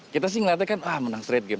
kita sih ngeliatnya kan ah menang straight game